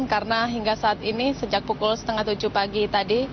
karena hingga saat ini sejak pukul setengah tujuh pagi tadi